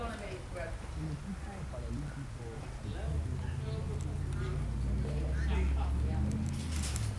El equipo paralímpico haitiano no obtuvo ninguna medalla en estos Juegos.